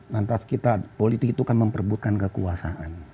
lantas kita politik itu kan memperbutkan kekuasaan